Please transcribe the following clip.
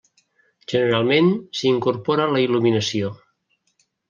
Generalment s'hi incorpora la il·luminació.